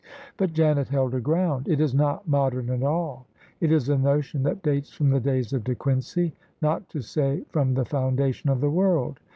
But Janet held her ground. " It is not modem at all : It is a notion that dates from the days of De Quincey, not to say from the foundation of the world.